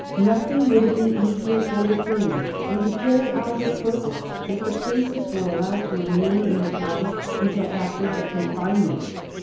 Nothing would have been easier for the Queen than to carry out her purpose if the princess were allowed to remain in the palace until after her confinement.